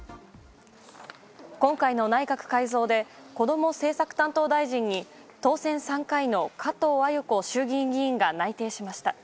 今回の内閣改造で、こども政策担当大臣に、当選３回の加藤鮎子衆議院議員が内定しました。